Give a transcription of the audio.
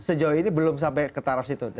sejauh ini belum sampai ke taraf itu